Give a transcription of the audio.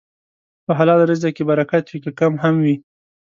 په حلال رزق کې برکت وي، که کم هم وي.